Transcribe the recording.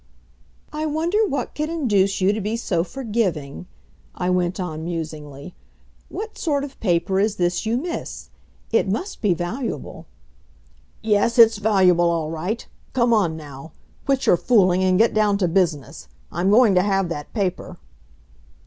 "I wonder what could induce you to be so forgiving," I went on musingly. "What sort of paper is this you miss? It must be valuable " "Yes, it's valuable all right. Come on, now! Quit your fooling and get down to business. I'm going to have that paper."